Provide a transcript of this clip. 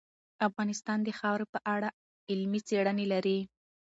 افغانستان د خاوره په اړه علمي څېړنې لري.